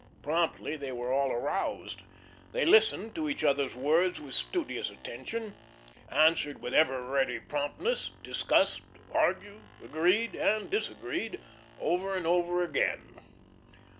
Promptly they were all aroused. They listened to one another's words with studious attention, answered with ever ready promptness, discussed, argued, agreed, and disagreed over and over again.